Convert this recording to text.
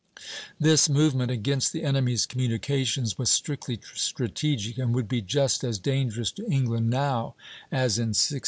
This movement against the enemy's communications was strictly strategic, and would be just as dangerous to England now as in 1690.